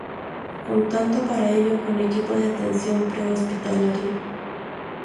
Contando para ello con equipo de atención pre-hospitalario.